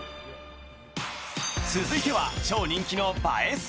続いては超人気の映え